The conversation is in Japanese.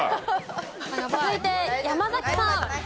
続いて山崎さん。